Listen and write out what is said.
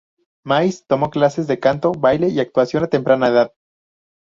Mays tomó clases de canto, baile y actuación a temprana edad.